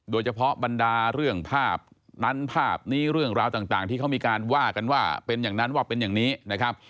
บรรดาเรื่องภาพนั้นภาพนี้เรื่องราวต่างที่เขามีการว่ากันว่าเป็นอย่างนั้นว่าเป็นอย่างนี้นะครับ